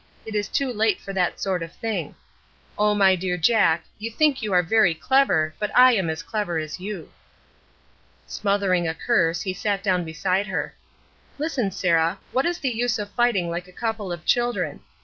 It is too late for that sort of thing. Oh, my dear Jack, you think you are very clever, but I am as clever as you." Smothering a curse, he sat down beside her. "Listen, Sarah. What is the use of fighting like a couple of children.